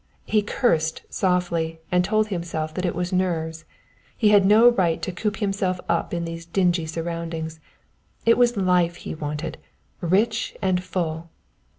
He cursed softly and told himself that it was nerves. He had no right to coop himself up in these dingy surroundings. It was life he wanted, rich and full.